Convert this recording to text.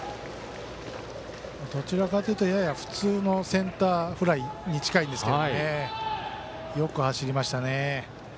どちらかというとやや普通のセンターフライに近いんですけどよく走りましたね。